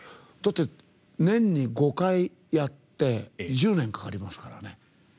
年に５回やって１０年かかりますからね。